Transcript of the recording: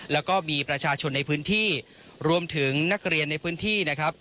แล้วก็มีประชาชนในพื้นที่รวมถึงนักเรียนในพื้นที่นะครับ